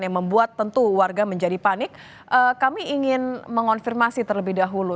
yang membuat tentu warga menjadi panik kami ingin mengonfirmasi terlebih dahulu